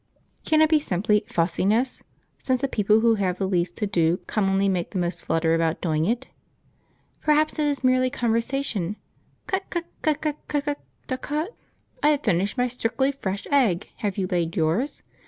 Can it be simply "fussiness"; since the people who have the least to do commonly make the most flutter about doing it? Perhaps it is merely conversation. "Cut cut cut cut cut DAH_cut_! ... I have finished my strictly fresh egg, have you laid yours?